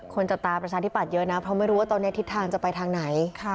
จับตาประชาธิบัตย์เยอะนะเพราะไม่รู้ว่าตอนนี้ทิศทางจะไปทางไหน